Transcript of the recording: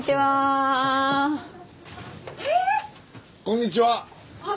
こんにちは。えっ！？